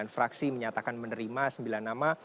sembilan fraksi menyatakan menerima sembilan nama